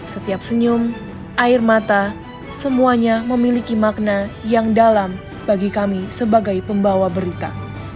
setiap senyum air mata semuanya memiliki makna yang dalam bagi kami sebagai pembawa berita